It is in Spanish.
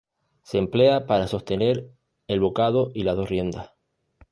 Se emplea para sostener el bocado y las dos riendas.